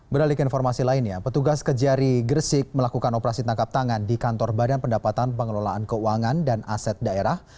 beralik informasi lainnya petugas kejari gresik melakukan operasi tangkap tangan di kantor badan pendapatan pengelolaan keuangan dan aset daerah